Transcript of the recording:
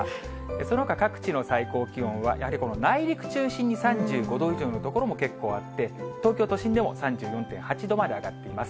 そのほか各地の最高気温は、やはりこの内陸中心に、３５度以上の所も結構あって、東京都心でも３４．８度まで上がっています。